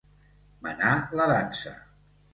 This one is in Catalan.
Menar la dansa.